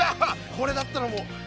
これだったらもう。